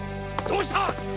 どうした？